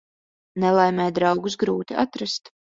Nelaimē draugus grūti atrast.